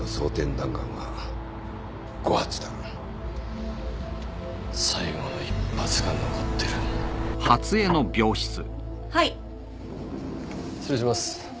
弾丸は５発だ最後の１発が残ってる・はい失礼します